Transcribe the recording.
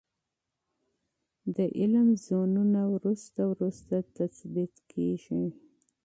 د علم زونونه وروسته وروسته تثبیت کیږي.